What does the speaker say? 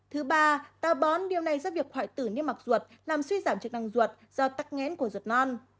thứ ba ta bón điều này giúp việc hoại tử niêm mạc ruột làm suy giảm trực năng ruột do tắc nghén của ruột non